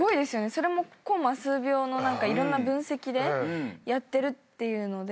それもコンマ数秒のいろんな分析でやってるっていうので。